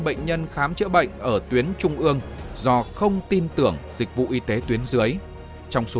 một bệnh nhân khám chữa bệnh ở tuyến trung ương do không tin tưởng dịch vụ y tế tuyến dưới trong số